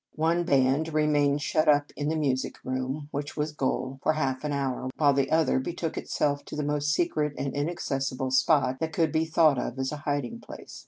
One band remained shut up in a mu sic room (which was goal) for half an hour, while the other betook itself to the most secret and inaccessible spot that could be thought of as a hiding place.